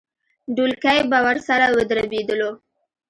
ډولکی به ورسره ودربېدلو.